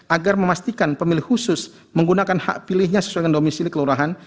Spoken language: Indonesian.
agar memastikan pemilih khusus menggunakan hak pilihnya sesuai dengan domisili kelurahan